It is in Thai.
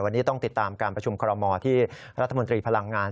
วันนี้ต้องติดตามการประชุมคอรมอที่รัฐมนตรีพลังงาน